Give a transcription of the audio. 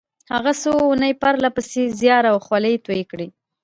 هغه څو اونۍ پرله پسې زيار او خولې تويې کړې.